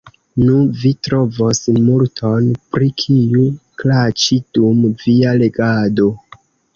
Nu, vi trovos multon, pri kiu klaĉi, dum via legado.